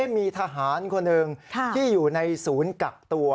มีทหารคนหนึ่งที่อยู่ในศูนย์กักตัว